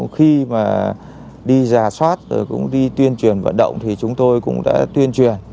khi mà đi giả soát đi tuyên truyền vận động thì chúng tôi cũng đã tuyên truyền